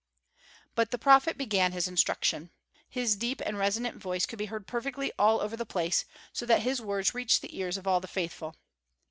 But the prophet began his instruction. His deep and resonant voice could be heard perfectly all over the place, so that his words reached the ears of all the faithful.